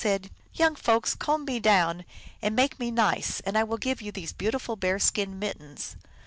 said, " Young folks, comb me down and make me nice, and I will give you these beautiful bear skin mit tens."